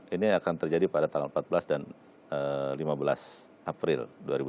ini akan terjadi pada tanggal empat belas dan lima belas april dua ribu dua puluh